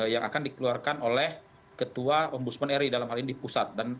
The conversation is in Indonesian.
yang akan dikeluarkan oleh ketua ombudsman erickson